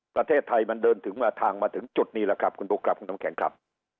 ประเทศไทยมันเดินถึงมาทางมาถึงจุดนี้แหละครับคุณบุ๊คครับคุณน้ำแข็งครับ